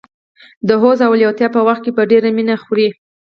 د هوس او لېوالتیا په وخت کې په ډېره مینه یې خوري.